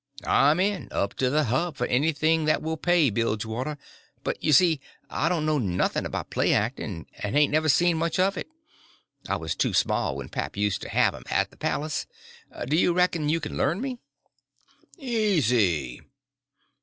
"I'm in, up to the hub, for anything that will pay, Bilgewater; but, you see, I don't know nothing about play actin', and hain't ever seen much of it. I was too small when pap used to have 'em at the palace. Do you reckon you can learn me?" "Easy!"